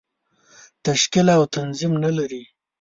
تشکیل او تنظیم نه لري.